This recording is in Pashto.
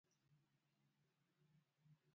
د لښکرګاه بست قلعه د نړۍ تر ټولو لوی خټین ارک دی